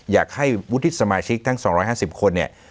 อยากให้วทิศสมาชิกทั้ง๒๕๐คน